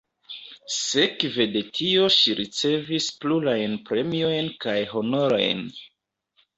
Sekve de tio ŝi ricevis plurajn premiojn kaj honorojn.